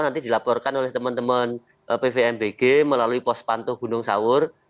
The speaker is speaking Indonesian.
nanti dilaporkan oleh teman teman pvmbg melalui pos pantuh gunung sawur